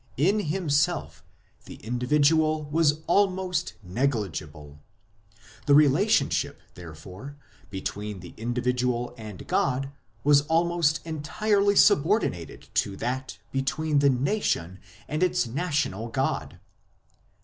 In himself the individual was almost negligible. The relationship, there fore, between the individual and God was almost entirely subordinated to that between the nation and its national God.